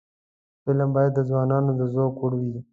فلم باید د ځوانانو د ذوق وړ وي